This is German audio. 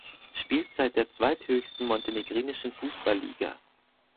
Spielzeit der zweithöchsten montenegrinischen Fußballliga.